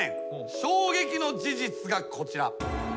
衝撃の事実がこちら。